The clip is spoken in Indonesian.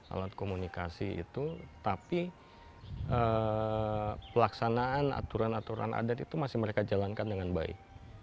alat komunikasi itu tapi pelaksanaan aturan aturan adat itu masih mereka jalankan dengan baik